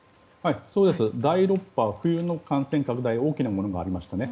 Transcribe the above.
第６波、冬の感染拡大大きなものがありましたね。